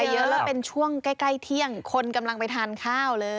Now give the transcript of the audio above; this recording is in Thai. เยอะแล้วเป็นช่วงใกล้เที่ยงคนกำลังไปทานข้าวเลย